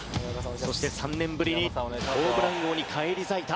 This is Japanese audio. そして３年ぶりにホームラン王に返り咲いた。